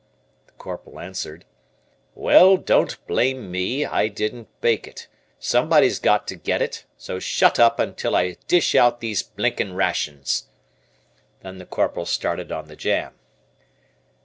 The Corporal answered: "Well, don't blame me, I didn't bake it, somebody's got to get it, so shut up until I dish out these blinkin' rations." Then the Corporal started on the jam.